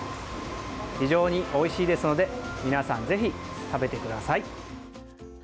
非常においしいですので皆さん、ぜひ食べてください。